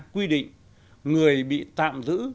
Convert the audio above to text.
quy định người bị tạm giữ